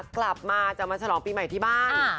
กลับมาจะมาฉลองปีใหม่ที่บ้าน